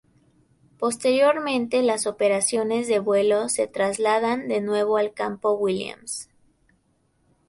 Posteriormente las operaciones de vuelo se trasladan de nuevo al Campo Williams.